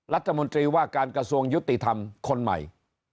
รัฐมนตรีว่าการกระทรวงยุติธรรมคนใหม่